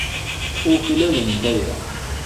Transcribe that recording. Uklalent aya.